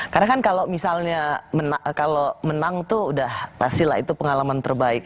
karena kan kalau misalnya kalau menang tuh udah pasti lah itu pengalaman terbaik